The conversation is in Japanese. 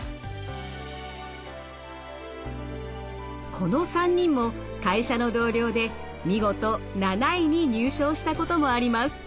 この３人も会社の同僚で見事７位に入賞したこともあります。